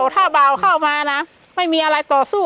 ถ้าบ่าวเข้ามานะไม่มีอะไรต่อสู้